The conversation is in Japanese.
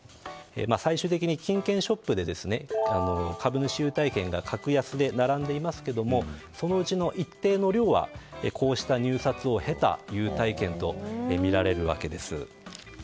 最終的に金券ショップで株主優待券が格安で並んでいますがそのうちの一定の量はこうした入札を経た優待券とみられるわけです。